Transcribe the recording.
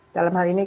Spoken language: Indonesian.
dalam hal ini